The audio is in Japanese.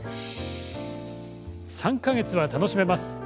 ３か月間は楽しめます。